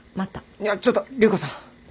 いやちょっと隆子さん。